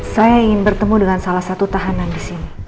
saya ingin bertemu dengan salah satu tahanan di sini